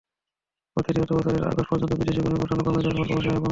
চলতি অর্থবছরের আগস্ট পর্যন্ত বিদেশে কর্মী পাঠানো কমে যাওয়ার ফলে প্রবাসী-আয়ও কমেছে।